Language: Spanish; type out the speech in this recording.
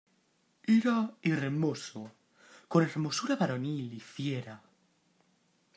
era hermoso, con hermosura varonil y fiera.